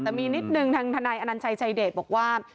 แต่มีนิดนึงทางทนายอนัญชัยชายเดชบอกว่า